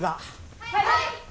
はい！